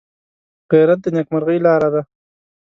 غیرت د نیکمرغۍ لاره ده